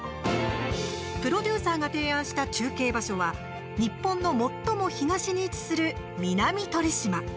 プロデューサーが提案した中継場所は日本の最も東に位置する南鳥島。